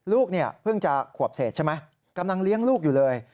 ลูกเนี่ยเพิ่งจะขวบเศษใช่ไหมกำลังเลี้ยงลูกอยู่เลย